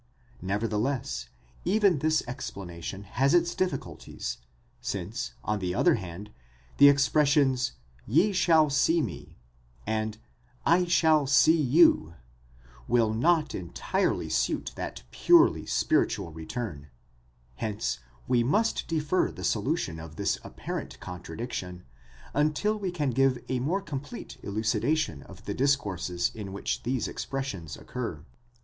Nevertheless, even this ex planation has its difficulties, since, on the other hand, the expressions ye shail see me, ὄψεσθέ με, and 2 shall see you, ὄψομαι ὑμᾶς, will not entirely suit that purely spiritual return: hence we must defer the solution of this apparent contradiction until we can give a more complete elucidation of the discourses in which these expressions occur.